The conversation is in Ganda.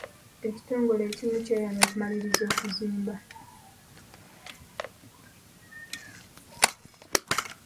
Ekitongole ekimu kyeyamye okumaliriza okuzimba.